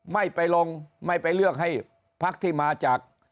ไม่ไปลงไม่ไปเลือกให้พักที่มาจาก